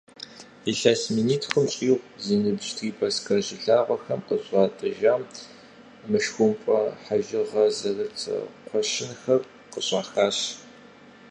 Илъэс минитхум щӏигъу зи ныбжь трипольскэ жылагъуэхэр къыщатӏыжам, мышхумпӏэ хьэжыгъэ зэрыт кхъуэщынхэр къыщӏахащ.